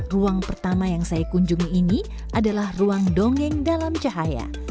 ruang pertama yang saya kunjungi ini adalah ruang dongeng dalam cahaya